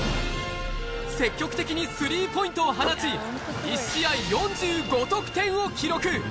積極的にスリーポイントを放ち、１試合４５得点を記録。